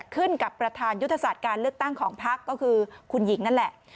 ขึ้นกับประธานยุทธศาสตร์การเลือกตั้งของพักก็คือคุณหญิงนั่นแหละ